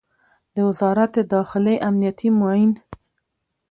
د وزارت داخلې امنیتي معین